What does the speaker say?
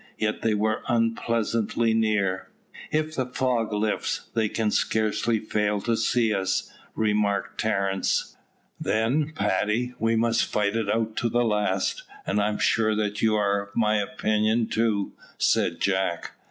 Yet they were unpleasantly near. "If the fog lifts, they can scarcely fail to see us," remarked Terence. "Then, Paddy, we must fight it out to the last, and I am sure that you are of my opinion too," said Jack.